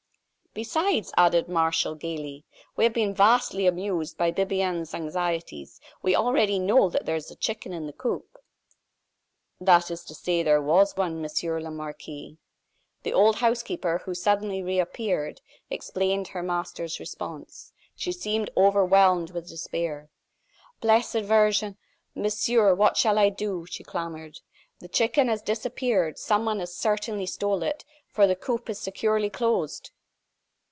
"Besides," added Martial, gayly, "we have been vastly amused by Bibiaine's anxieties, we already know that there is a chicken in the coop " "That is to say there was one, Monsieur le Marquis." The old housekeeper, who suddenly reappeared, explained her master's response. She seemed overwhelmed with despair. "Blessed Virgin! Monsieur, what shall I do?" she clamored. "The chicken has disappeared. Someone has certainly stolen it, for the coop is securely closed!"